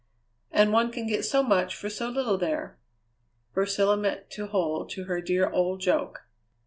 "And one can get so much for so little there." Priscilla meant to hold to her dear old joke.